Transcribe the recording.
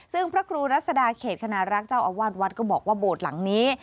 ซึ่งพระครูรัศดาเขตคณรักษ์เจ้าอาวาสวัดก็บอกว่าโบสถ์หลังนี้